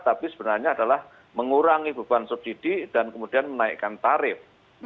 tapi sebenarnya adalah mengurangi beban subsidi dan kemudian menaikkan tarif